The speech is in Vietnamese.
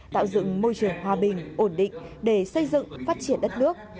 tạo dựng môi trường hòa bình ổn định để xây dựng phát triển đất nước